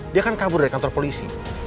dia kan kabur dari kantor polisi